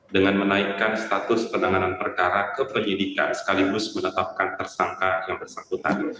dengan menaikkan status penanganan perkara kepenyidikan sekaligus menetapkan tersangka yang bersangkutan